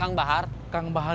kang bahar yang terkenal